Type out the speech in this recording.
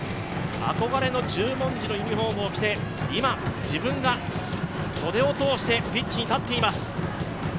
憧れの十文字のユニフォームを着て今、自分が袖を通してピッチに立っています。